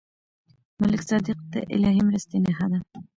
ملک صادق د الهي مرستې نښه ده.